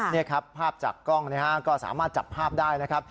นี่ครับภาพจากกล้องก็สามารถจับภาพได้นะครับ